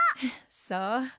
そう。